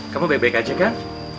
kamu baik baik aja kan